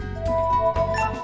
cảm ơn các bạn đã theo dõi